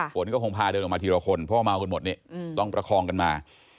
ฝนก็คงพาเดินออกมาทีละคนเพราะว่าเมากันหมดนี่ต้องประคองกันมา